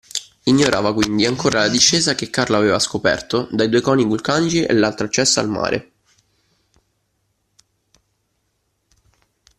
Ignorava, quindi, ancora la discesa che Carlo aveva scoperta dai due coni vulcanici e l'altro accesso al mare.